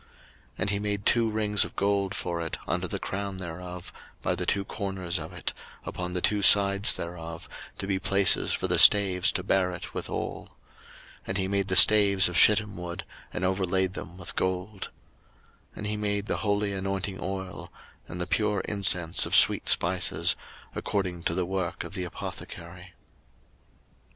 02:037:027 And he made two rings of gold for it under the crown thereof, by the two corners of it, upon the two sides thereof, to be places for the staves to bear it withal. 02:037:028 And he made the staves of shittim wood, and overlaid them with gold. 02:037:029 And he made the holy anointing oil, and the pure incense of sweet spices, according to the work of the apothecary.